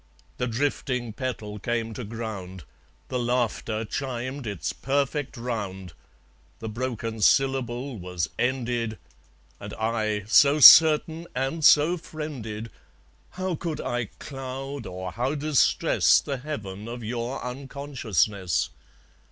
The drifting petal came to ground. The laughter chimed its perfect round. The broken syllable was ended. And I, so certain and so friended, How could I cloud, or how distress, The heaven of your unconsciousness?